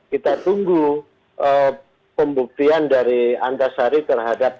kita tunggu pembuktian dari antasari terhadap